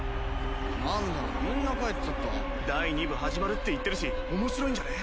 何だみんな帰っちゃった第２部始まるって言ってるし面白いんじゃね？